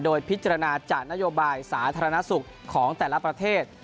โดยพิจารณาจากนโยบายสาธารณสุขของแต่ละประเทศ